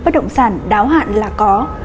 bất động sản đáo hạn là có